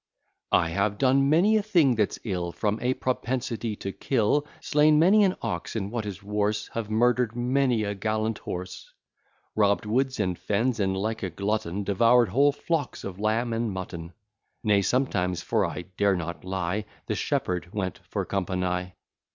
I have done many a thing that's ill From a propensity to kill, Slain many an ox, and, what is worse, Have murder'd many a gallant horse; Robb'd woods and fens, and, like a glutton, Devour'd whole flocks of lamb and mutton; Nay sometimes, for I dare not lie, The shepherd went for company.